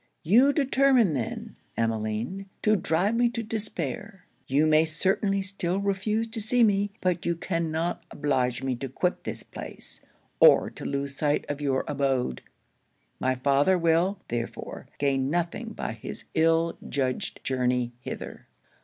You determine then, Emmeline, to drive me to despair! 'You may certainly still refuse to see me; but you cannot oblige me to quit this place, or to lose sight of your abode. My father will, therefore, gain nothing by his ill judged journey hither.